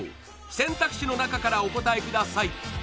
選択肢の中からお答えください